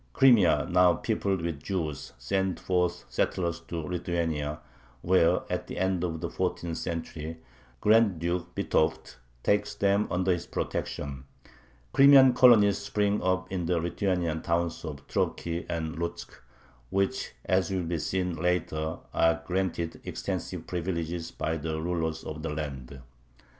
Crimea, now peopled with Jews, sends forth settlers to Lithuania, where, at the end of the fourteenth century, Grand Duke Vitovt takes them under his protection. Crimean colonies spring up in the Lithuanian towns of Troki and Lutzk, which, as will be seen later, are granted extensive privileges by the ruler of the land.